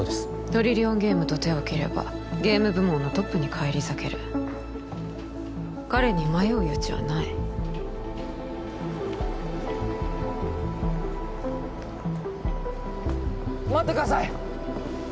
トリリオンゲームと手を切ればゲーム部門のトップに返り咲ける彼に迷う余地はない待ってください！